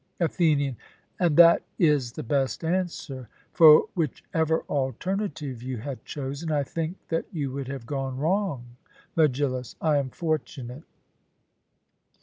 ATHENIAN: And that is the best answer; for whichever alternative you had chosen, I think that you would have gone wrong. MEGILLUS: I am fortunate.